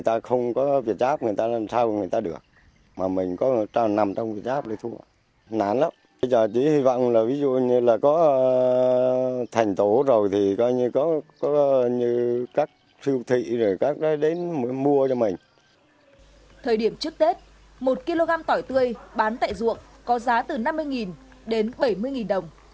thời điểm trước tết một kg tỏi tươi bán tại ruộng có giá từ năm mươi đến bảy mươi đồng